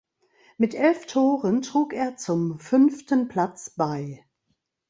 Mit elf Toren trug er zum fünften Platz bei.